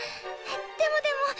でもでもっ！